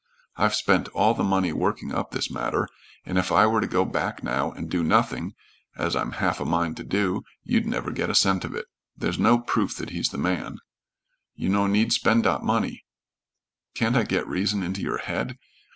I've spent all the money working up this matter, and if I were to go back now and do nothing, as I'm half a mind to do, you'd never get a cent of it. There's no proof that he's the man." "You no need spen' dot money." "Can't I get reason into your head?